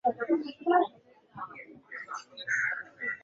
bali huishi wilaya zote sita za Mkoa wa Mara